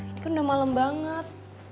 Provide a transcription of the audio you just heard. ini kan udah malam banget